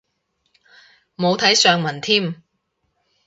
冇睇上文添